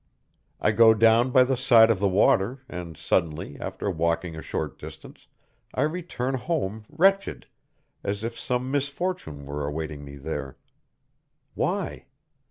I go down by the side of the water, and suddenly, after walking a short distance, I return home wretched, as if some misfortune were awaiting me there. Why?